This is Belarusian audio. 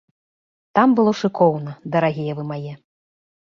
Там было шыкоўна, дарагія вы мае!